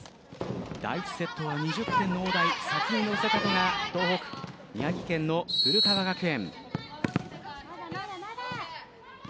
第１セットは２０点の大台先に乗せたのが東北・宮城県の古川学園。